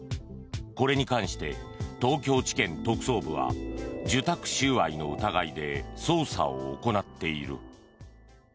これに関して東京地検特捜部は受託収賄の疑いで捜査を行っている。